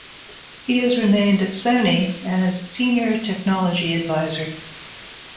He has remained at Sony as senior technology advisor.